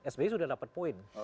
sbe sudah mendapatkan poin